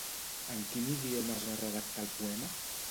En quin idioma es va redactar el poema?